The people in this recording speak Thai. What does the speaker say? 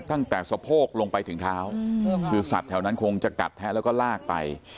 สะโพกลงไปถึงเท้าคือสัตว์แถวนั้นคงจะกัดแทะแล้วก็ลากไป